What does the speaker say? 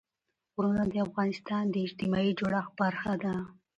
غرونه د افغانستان د اجتماعي جوړښت برخه ده.